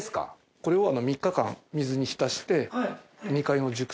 これを３日間水に浸して。